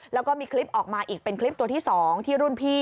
แล้วก็มีคลิปออกมาอีกเป็นคลิปตัวที่๒ที่รุ่นพี่